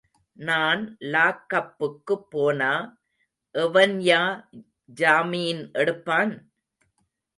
நான் லாக்கப்புக்கு போனா, எவன்யா ஜாமீன் எடுப்பான்?